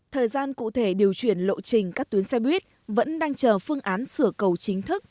thời gian cụ thể điều chuyển lộ trình các tuyến xe buýt vẫn đang chờ phương án sửa cầu chính thức